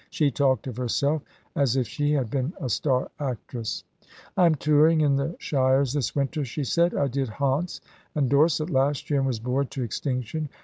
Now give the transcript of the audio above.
She talked of herself as if she had been a star actress. "I am touring in the shires this winter," she said. "I did Hants and Dorset last year, and was bored to extinction.